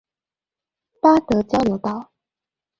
八德交流道